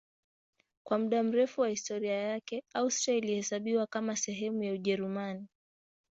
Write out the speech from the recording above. Kwa muda mrefu wa historia yake Austria ilihesabiwa kama sehemu ya Ujerumani.